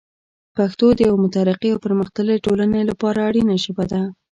پښتو د یوه مترقي او پرمختللي ټولنې لپاره اړینه ژبه ده.